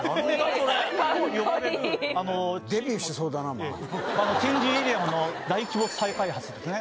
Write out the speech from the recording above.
それと呼ばれるあのデビューしそうだな天神エリアの大規模再開発ですね